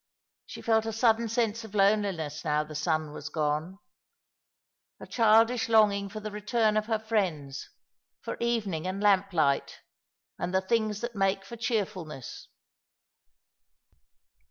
She felt a sudden sense of loneliness now the sun was gone ; a childish longing for the return of her friends, for evening and lamplight, and the things that make for cheerfulness. '* The Woods are round tis.